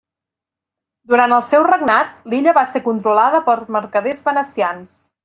Durant el seu regnat, l'illa va ser controlada per mercaders venecians.